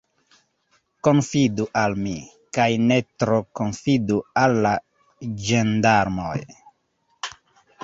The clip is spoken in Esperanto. Konfidu al mi, kaj ne tro konfidu al la ĝendarmoj.